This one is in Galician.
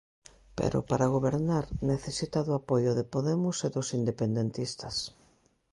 Pero, para gobernar, necesita do apoio de Podemos e dos independentistas.